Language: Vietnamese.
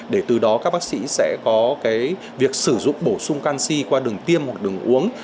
để từ đó các bác sĩ sẽ có việc sử dụng bổ sung canxi qua đường tiêm hoặc đường uống